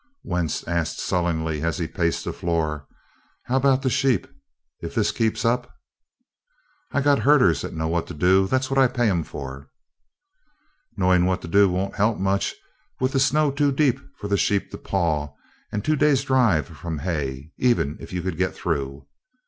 Wentz asked sullenly, as he paced the floor: "How about the sheep, if this keeps up?" "I got herders that know what to do that's what I pay 'em for." "Knowing what to do won't help much, with the snow too deep for the sheep to paw, and a two days' drive from hay, even if you could get through."